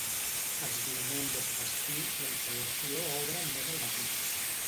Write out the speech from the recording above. Els diumenges i festius, la instal·lació obre només al matí.